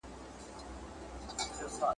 ستا د ګرېوان ستا د پېزوان لپاره `